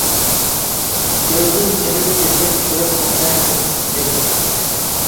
كۆزۈم كىرىپ كېتىپ بىر قاچا قېتىق ئېلىپ چىقىپتۇ.